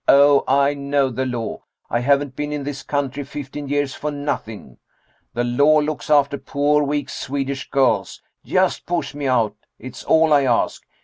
Oh, I know the law. I haven't been in this country fifteen years for nothing. The law looks after poor weak, Swedish girls. Just push me out. It's all I ask.